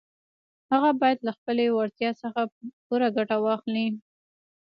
هغه بايد له خپلې وړتيا څخه پوره ګټه واخلي.